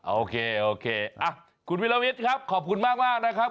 โอเคโอเคคุณวิลวิทย์ครับขอบคุณมากนะครับ